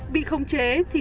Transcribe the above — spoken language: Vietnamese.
bị khống chế